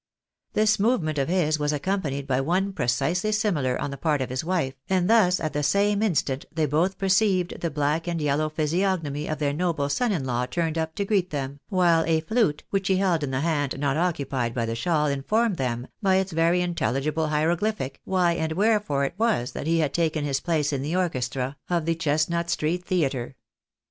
This movement of his was accompanied by one precisely similar on the part of his wife, and thus at the same instant they both perceived the black and yellow physiognomy of their noble son in law turned up to greet them, while a flute, which he held in the hand not occupied by the shawl, informed them, by its very intelli gible hieroglyphic, why and wherefore it was that he had taken his place in the orchestra of the Chesnut street Theatre.